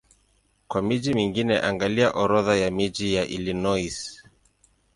Kwa miji mingine angalia Orodha ya miji ya Illinois.